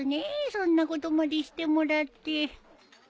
そんなことまでしてもらって。